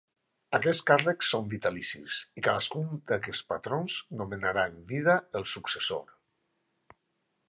Aquests càrrecs són vitalicis i cadascun d'aquests patrons nomenarà en vida el successor.